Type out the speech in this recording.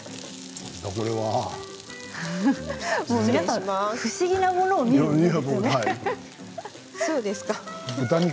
皆さん不思議なものを見るように。